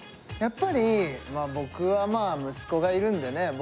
やっぱり僕はまあ息子がいるんでね